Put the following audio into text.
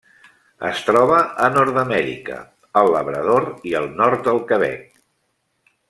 Es troba a Nord-amèrica: el Labrador i el nord del Quebec.